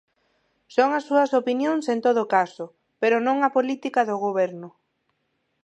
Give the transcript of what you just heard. Son as súas opinións en todo caso... pero non a política do Goberno.